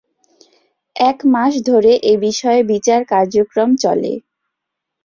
এক মাস ধরে এ বিষয়ে বিচার কার্যক্রম চলে।